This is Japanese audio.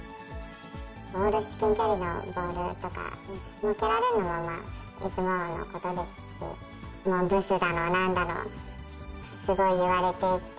至近距離のボールとか、蹴られるのもまあ、いつものことですし、ブスだのなんだの、すごい言われてきて。